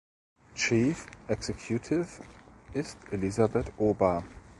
Chief Executive ist Elisabeth Oba.